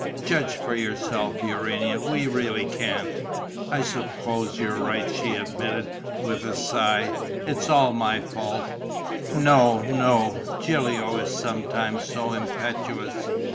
"Judge for yourself, Urania: we really can't." "I suppose you're right," she admitted, with a sigh. "It's all my fault." "No, no, Gilio is sometimes so impetuous...."